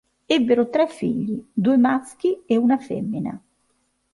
Ebbero tre figli, due maschi e una femmina.